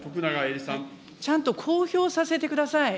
ちゃんと公表させてください。